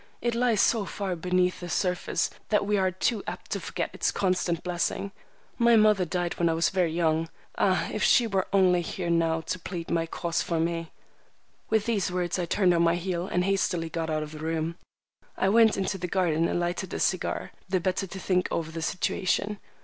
It lies so far beneath the surface that we are too apt to forget its constant blessing. My mother died when I was very young. Ah, if she were only here now, to plead my cause for me!" With these words, I turned on my heel and hastily got out of the room. I went into the garden and lighted a cigar, the better to think over the situation.